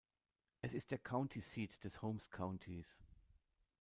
Es ist der County Seat des Holmes Countys.